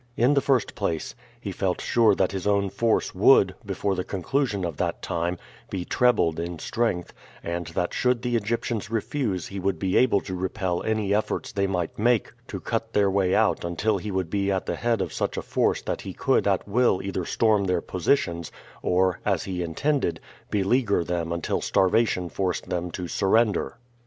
In the first place, he felt sure that his own force would, before the conclusion of that time, be trebled in strength, and that should the Egyptians refuse he would be able to repel any efforts they might make to cut their way out until he would be at the head of such a force that he could at will either storm their positions or, as he intended, beleaguer them until starvation forced them to surrender.